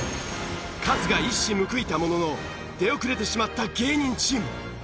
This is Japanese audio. カズが一矢報いたものの出遅れてしまった芸人チーム。